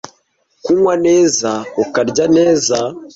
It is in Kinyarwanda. kunywa neza ukarya neza